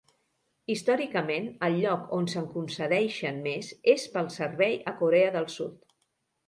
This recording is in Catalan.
Històricament, el lloc on se'n concedeixen més és pel servei a Corea del Sud.